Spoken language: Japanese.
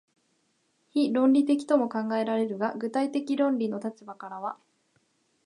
非論理的とも考えられるが、具体的論理の立場からは、